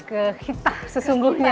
ke kita sesungguhnya